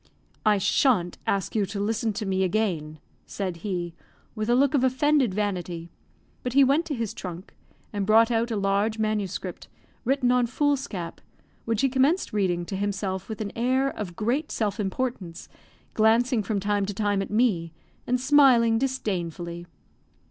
"I shan't ask you to listen to me again," said he, with a look of offended vanity; but he went to his trunk, and brought out a large MS., written on foolscap, which he commenced reading to himself with an air of great self importance, glancing from time to time at me, and smiling disdainfully.